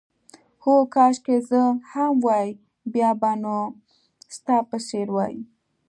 هو، کاشکې زه هم وای، بیا به نو ستا په څېر وای.